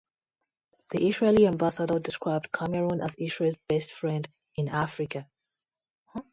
The Israeli ambassador described Cameroon as Israel's best friend in Africa.